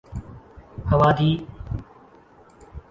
اوادھی